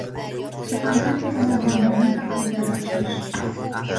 سخنوری هنرمندانه و پردرخشش